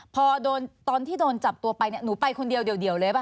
พอดนตอนที่โดนจับตัวไปหนูไปคนเดี่ยวเลยฟะค่ะ